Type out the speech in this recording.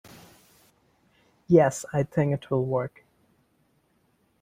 Yes, I think it will work.